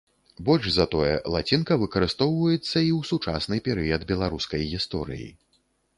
Больш за тое, лацінка выкарыстоўваецца і ў сучасны перыяд беларускай гісторыі.